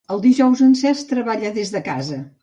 Els dijous el Cesc treballa des de casa.